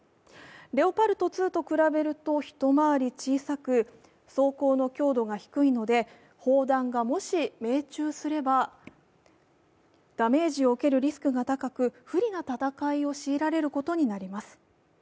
レオパルト２と比べると一回り小さく装甲の強度が低いので、砲弾がもし命中すればダメージを受けるリスクが高く不利な戦いを強いられることになります。